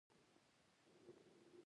په یاد دي موږ په دې موافقه کړې وه